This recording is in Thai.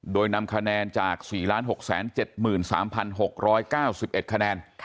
โดยนำคะแนนจาก๔๖๗๓๖๙๑คะแนน